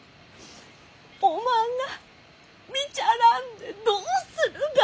おまんが見ちゃらんでどうするが。